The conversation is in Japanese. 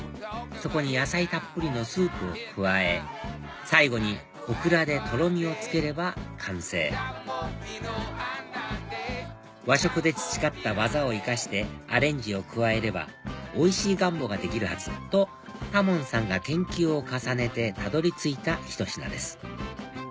そこに野菜たっぷりのスープを加え最後にオクラでとろみをつければ完成和食で培った技を生かしてアレンジを加えればおいしいガンボができるはずと多聞さんが研究を重ねてたどり着いたひと品です